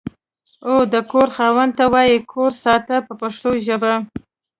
او د کور خاوند ته وایي کور ساته په پښتو ژبه.